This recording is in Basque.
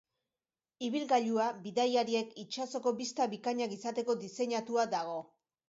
Ibilgailua bidaiariek itsasoko bista bikainak izateko diseinatua dago.